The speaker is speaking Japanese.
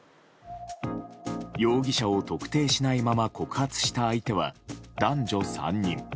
容疑者を特定しないまま告発した相手は男女３人。